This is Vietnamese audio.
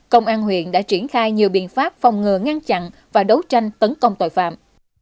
công an huyện đã triển khai nhiều biện pháp phòng ngừa ngăn chặn và đấu tranh tấn công tội phạm